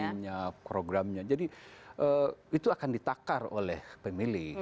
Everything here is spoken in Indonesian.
timnya programnya jadi itu akan ditakar oleh pemilih